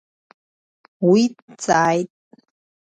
Уи дҵааит.